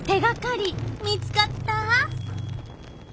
手がかり見つかった？